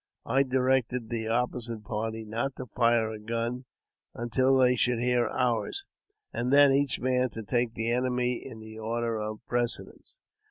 I directed th opposite party not to fire a gun until they should hear ours, and then each man to take the enemy in the order of prece^^ dence.